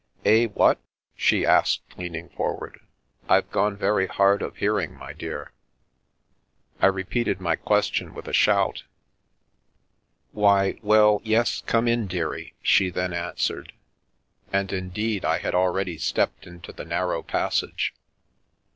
"" Eh, what ?" she asked, leaning forward. " I've gone very hard of hearing, my dear." I repeated my question with a shout. " Why — well, yes, come in, dearie," she then answered, and, indeed, I had already stepped into the narrow passage.